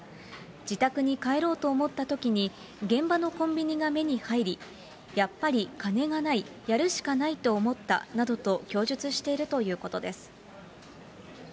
自宅に帰ろうと思ったときに、現場のコンビニが目に入り、やっぱり金がない、やるしかないと思ったなどと供述しているということです。